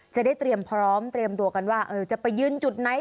จะได้เตรียมพร้อมเตรียมตัวกันว่าจะไปยืนจุดไหน